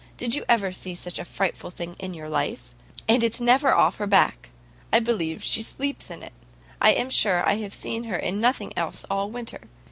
Did you ever see such a frightful thing in your life? And it's never off her back. I believe she sleeps in it. I am sure I have seen her in nothing else all winter.